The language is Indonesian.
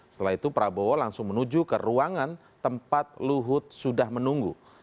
setelah itu prabowo langsung menuju ke ruangan tempat luhut sudah menunggu